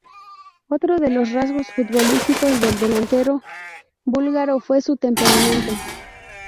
Otro de los rasgos futbolísticos del delantero búlgaro fue su temperamento.